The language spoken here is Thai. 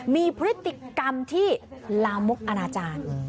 มีพฤติกรรมที่ลามกอนาจารย์